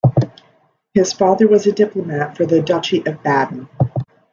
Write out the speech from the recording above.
His father was a diplomat for the Duchy of Baden.